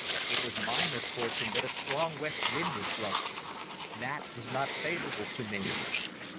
It was my misfortune that a strong west wind was blowing. That was not favorable to me.